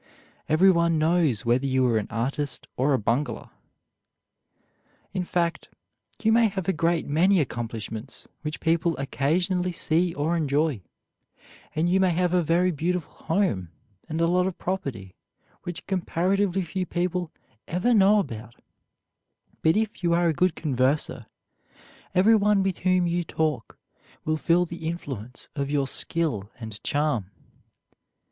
Everyone knows whether you are an artist or a bungler. In fact, you may have a great many accomplishments which people occasionally see or enjoy, and you may have a very beautiful home and a lot of property which comparatively few people ever know about; but if you are a good converser, everyone with whom you talk will feel the influence of your skill and charm.